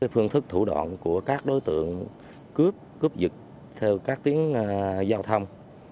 phương thức thủ đoạn của các đối tượng cướp cướp giật theo các tuyến giao thông